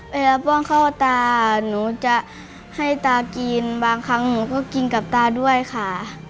ป้องเข้าตาหนูจะให้ตากินบางครั้งหนูก็กินกับตาด้วยค่ะ